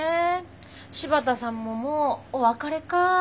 柴田さんももうお別れかぁ。